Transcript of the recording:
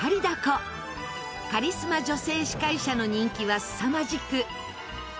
カリスマ女性司会者の人気はすさまじく。